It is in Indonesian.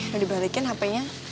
udah dibalikin hp nya